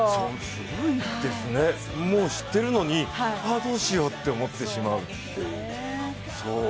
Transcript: すごいですねもう知ってるのにああ、どうしようって思ってしまうっていう。